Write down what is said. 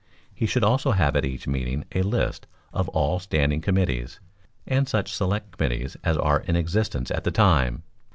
He should also have at each meeting a list of all standing committees, and such select committees as are in existence at the time.